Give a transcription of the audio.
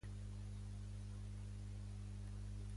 Diverses persones són a fora d'una botiga Outdoor World.